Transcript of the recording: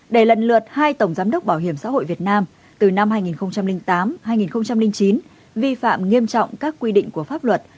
để lần lượt hai tổng giám đốc bảo hiểm xã hội việt nam từ năm hai nghìn tám hai nghìn chín vi phạm nghiêm trọng các quy định của pháp luật